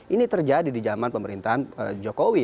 ini terjadi di zaman pemerintahan jokowi